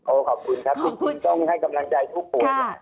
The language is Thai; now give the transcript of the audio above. โอ้ขอบคุณครับจริงต้องให้กำลังใจทุกผู้